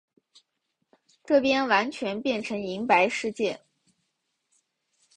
这边完全变成银白世界